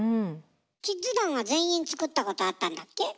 キッズ団は全員作ったことあったんだっけ？